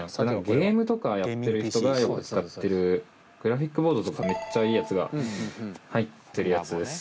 ゲームとかやってる人がよく使ってるグラフィックボードとかめっちゃいいやつが入ってるやつです。